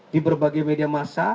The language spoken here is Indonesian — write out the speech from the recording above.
di berbagai media masa